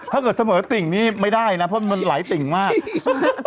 ถ้าเกิดเสมอติ่งนี้ไม่ได้นะเพราะมันหลายติ่งมาก